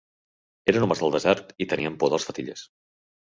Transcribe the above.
Eren homes del desert i tenien por dels fetillers.